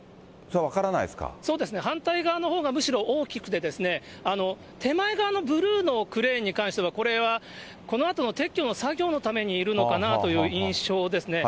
そうですね、反対側のほうがむしろ大きくて、手前側のブルーのクレーンに関しては、これは、このあとの撤去の作業のためにいるのかなという印象ですね。